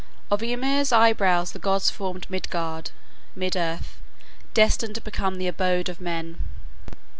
Of Ymir's eyebrows the gods formed Midgard (mid earth), destined to become the abode of man.